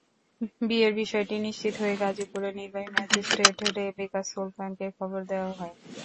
বিয়ের বিষয়টি নিশ্চিত হয়ে গাজীপুরের নির্বাহী ম্যাজিস্ট্রেট রেবেকা সুলতানাকে খবর দেওয়া হয়।